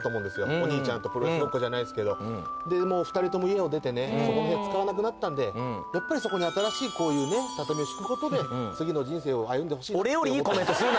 お兄ちゃんと、プロレスごっこじゃないですけど、もう２人とも家を出てね、その部屋使わなくなったと思うんで、やっぱりそこに新しい畳を敷くことで、次の人生を歩んでほしい。